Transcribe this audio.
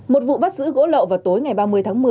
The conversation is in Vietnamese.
một vụ bắt giữ gỗ lậu vào tối ngày ba mươi tháng một mươi